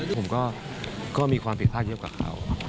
ผมก็มีความผิดพลาดเยอะกับเขา